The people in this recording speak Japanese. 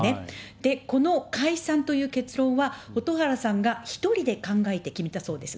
で、この解散という結論は蛍原さんが１人で考えて決めたそうです。